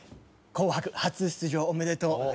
「『紅白』初出場おめでとう」